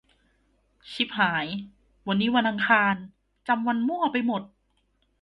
ชิบหาย วันนี้วันอังคาร จำวันมั่วไปหมด